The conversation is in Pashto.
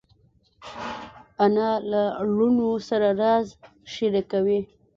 انا له لوڼو سره راز شریکوي